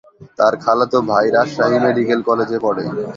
তার খালাতো ভাই রাজশাহী মেডিকেল কলেজে পড়ে।